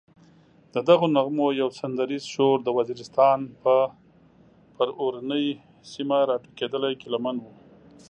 ددغو نغمو یو سندریز شور د وزیرستان پر اورنۍ سیمه راټوکېدلی ګیله من و.